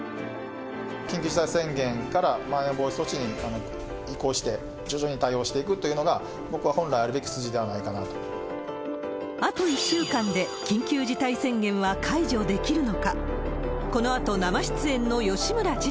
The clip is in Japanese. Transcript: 緊急事態宣言からまん延防止措置に移行して、徐々に対応していくというのが、僕は本来あるべき筋ではないかなあと１週間で緊急事態宣言は夏ですね、もう。